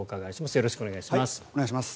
よろしくお願いします。